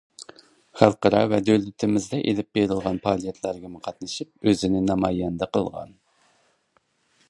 خەلقئارا ۋە دۆلىتىمىزدە ئېلىپ بېرىلغان پائالىيەتلەرگىمۇ قاتنىشىپ ئۆزىنى نامايەندە قىلغان.